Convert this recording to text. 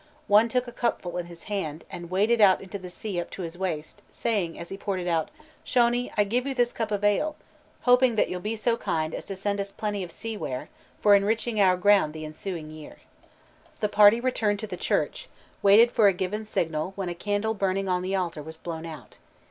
One took a cupful in his hand, and waded out into the sea up to his waist, saying as he poured it out: "Shony, I give you this cup of ale, hoping that you'll be so kind as to send us plenty of sea ware, for enriching our ground the ensuing year." The party returned to the church, waited for a given signal when a candle burning on the altar was blown out.